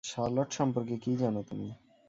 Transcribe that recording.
Charlotte সম্পর্কে কী জানো তুমি?